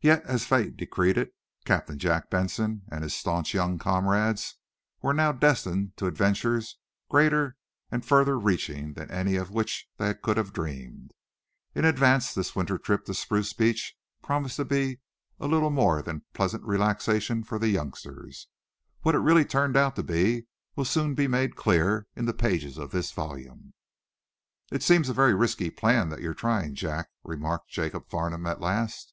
Yet, as fate decreed it, Captain Jack Benson and his staunch young comrades were now destined to adventures greater and further reaching than any of which they could have dreamed. In advance, this winter trip to Spruce Beach promised to be little more than a pleasant relaxation for the youngsters. What it really turned out to be will soon be made clear in the pages of this volume. "It seems a very risky plan that you're trying, Jack," remarked Jacob Farnum, at last.